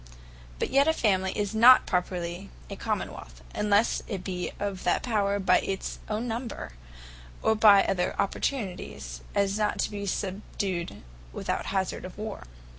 But yet a Family is not properly a Common wealth; unlesse it be of that power by its own number, or by other opportunities, as not to be subdued without the hazard of war.